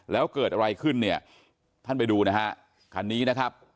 แล้วเกิดอะไรขึ้นเนี่ยท่านไปดูนะฮะคันนี้นะครับ